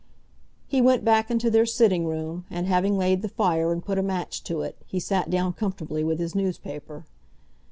He went back into their sitting room, and, having laid the fire and put a match to it, he sat down comfortably with his newspaper.